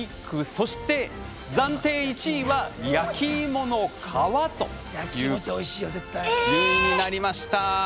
そして暫定１位は焼き芋の皮という順位になりました。